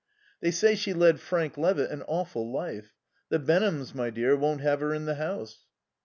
"They say she led Frank Levitt an awful life. The Benhams, my dear, won't have her in the house."